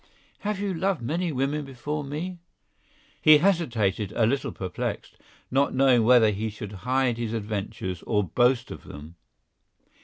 "Have you loved many women before me?" He hesitated, a little perplexed, not knowing whether he should hide his adventures or boast of them.